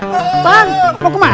kan mau ke mana